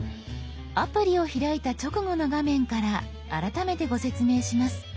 アプリを開いた直後の画面から改めてご説明します。